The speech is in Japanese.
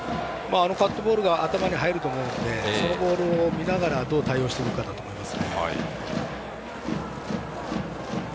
カットボールが頭に入ると思うのでそのボールを見ながらどう対応するかだと思います。